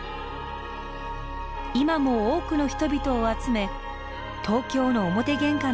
今も多くの人々を集め東京の表玄関となっています。